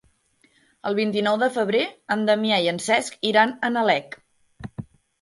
El vint-i-nou de febrer en Damià i en Cesc iran a Nalec.